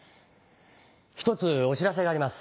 一つお知らせがあります。